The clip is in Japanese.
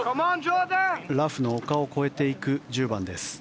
ラフの丘を越えていく１０番です。